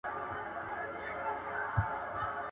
• مرگ نه پر واړه دئ، نه پر زاړه.